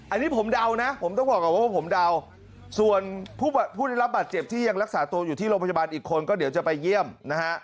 อันนี้ผมเดานะผมต้องบอกก่อนว่าผมเดาส่วนผู้ได้รับบาดเจ็บที่ยังรักษาตัวอยู่ที่โรงพยาบาลอีกคนก็เดี๋ยวจะไปเยี่ยมนะฮะ